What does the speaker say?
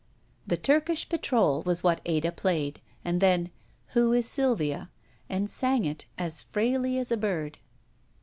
The Turkish Patrol was what Ada played, and then, Who Is Sylvia?" and sang it, as fr^y as a bird.